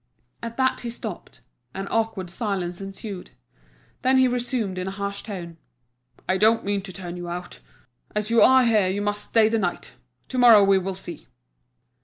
At that he stopped, an awkward silence ensued. Then he resumed in a harsh tone: "I don't mean to turn you out. As you are here you must stay the night; to morrow we will see."